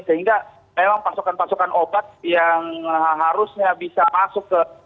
sehingga memang pasokan pasokan obat yang harusnya bisa masuk ke